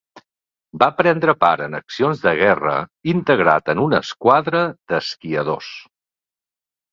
Va prendre part en accions de guerra, integrat en una esquadra d'esquiadors.